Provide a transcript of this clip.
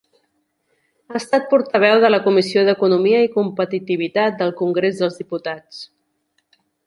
Ha estat portaveu de la comissió d'Economia i Competitivitat del Congrés dels Diputats.